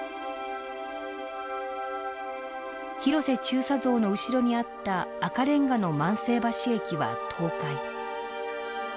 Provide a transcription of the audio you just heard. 広瀬中佐像の後ろにあった赤レンガの万世橋駅は倒壊。